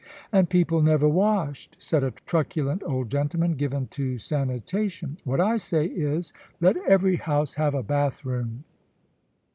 "And people never washed," said a truculent old gentleman given to sanitation. "What I say is, let every house have a bath room."